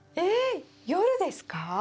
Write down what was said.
えっ夜ですか？